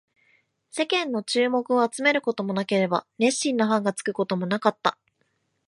世間の注目を集めることもなければ、熱心なファンがつくこともなかった